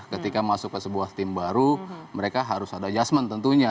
ketika masuk ke sebuah tim baru mereka harus ada adjustment tentunya